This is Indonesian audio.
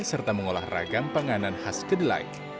serta mengolah ragam panganan khas kedelai